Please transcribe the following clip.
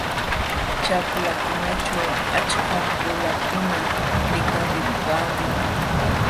Ćhaklaćhu achkam qulakuna likalilqamun.